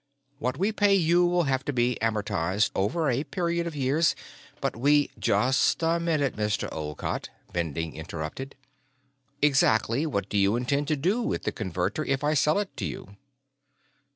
What we pay you will have to be amortized over a period of years. But we " "Just a minute, Mr. Olcott," Bending interrupted. "Exactly what do you intend to do with the Converter if I sell it to you?"